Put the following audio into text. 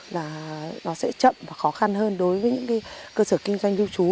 là nó sẽ chậm và khó khăn hơn đối với những cái cơ sở kinh doanh lưu trú